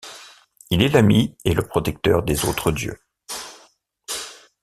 Il est l'ami et le protecteur des autres dieux.